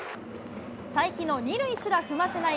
才木の２塁すら踏ませない